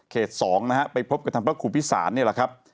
๒นะฮะไปพบกับทางพระครูพิสารนี่แหละครับ